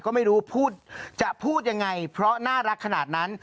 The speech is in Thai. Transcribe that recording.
ก็ไม่รู้พูดจะพูดยังไงเพราะน่ารักขนาดนั้น